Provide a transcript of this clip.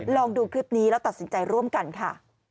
ลองดูคลิปนี้แล้วตัดสินใจร่วมกันค่ะ